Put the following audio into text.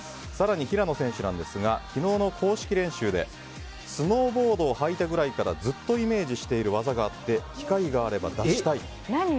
更に、平野選手ですが昨日の公式練習でスノーボードをはいたぐらいからずっとイメージしてる技があって機会があれば出したい。